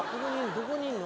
どこにいんの？